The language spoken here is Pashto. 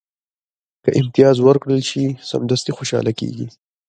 که امتیاز ورکړل شي، سمدستي خوشاله کېږي.